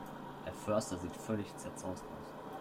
Herr Förster sieht völlig zerzaust aus.